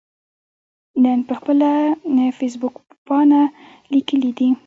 نن پر خپله فیسبوکپاڼه لیکلي دي